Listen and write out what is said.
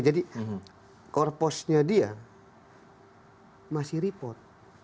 jadi korpusnya dia masih report